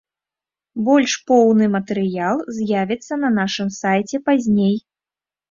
Больш поўны матэрыял з'явіцца на нашым сайце пазней.